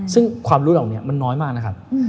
ซึ่งความรู้เหล่านี้มันน้อยมากนะครับ